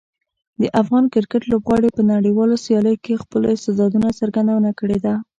د افغان کرکټ لوبغاړي په نړیوالو سیالیو کې د خپلو استعدادونو څرګندونه کړې ده.